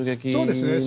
そうですね。